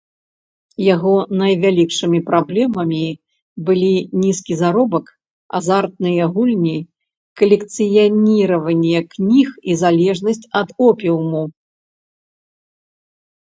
Яго найвялікшымі праблемамі былі нізкі заробак, азартныя гульні, калекцыяніраванне кніг і залежнасць ад опіуму.